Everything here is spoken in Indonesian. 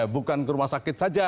bukan ke rumah sakit saja